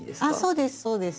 そうですそうです。